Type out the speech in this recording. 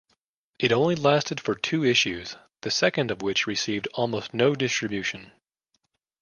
It only lasted for two issues, the second of which received almost no distribution.